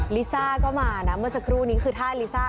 ลิซ่าก็มานะเมื่อสักครู่นี้คือท่าลิซ่า